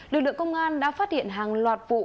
lực lượng công an đã phát hiện hàng loạt vụ